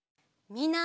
みんな！